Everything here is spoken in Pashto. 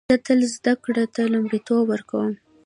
زه تل زده کړو ته لومړیتوب ورکوم